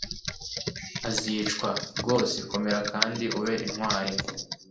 azicwa. rwose komera kandi ube intwari